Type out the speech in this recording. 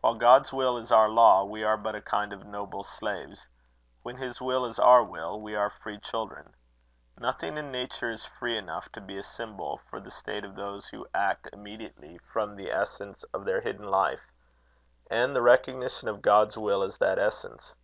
While God's will is our law, we are but a kind of noble slaves; when his will is our will, we are free children. Nothing in nature is free enough to be a symbol for the state of those who act immediately from the essence of their hidden life, and the recognition of God's will as that essence.